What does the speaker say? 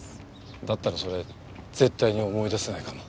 だったらそれ絶対に思い出せないかも。